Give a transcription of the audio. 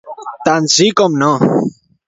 Tant sí com no.